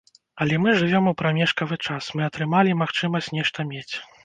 Але мы жывём у прамежкавы час, мы атрымалі магчымасць нешта мець.